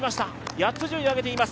８つ順位を上げてきています。